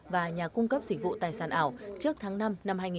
và nhà cung cấp dịch vụ tài sản ảo trước tháng năm năm hai nghìn hai mươi